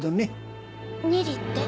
２里って？